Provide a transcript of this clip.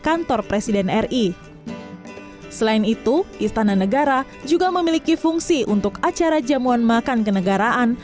kantor presiden ri selain itu istana negara juga memiliki fungsi untuk acara jamuan makan kenegaraan